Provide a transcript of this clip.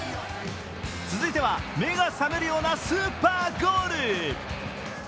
続いては、目が覚めるようなスーパーゴール。